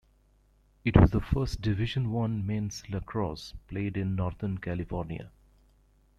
It was the first Division One men's lacrosse played in Northern California.